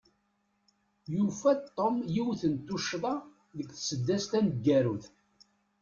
Yufa-d Tom yiwet n tuccḍa deg tsedast taneggarut.